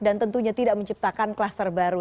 dan tentunya tidak menciptakan kluster baru